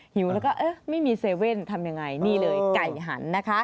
หิวแล้วก็ไม่มีเซเว่นทำยังไงนี่เลยไก่หันนะคะ